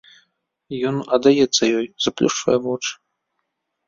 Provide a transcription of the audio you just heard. Ён аддаецца ёй, заплюшчвае вочы.